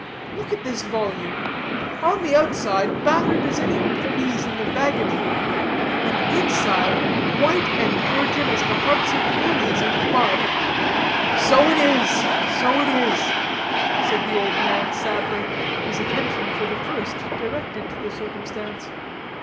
Look at this volume; on the outside, battered as any old valise in the baggage room; and inside, white and virgin as the hearts of lilies in bud." "So it is, so it is," said the old man sadly, his attention for the first directed to the circumstance.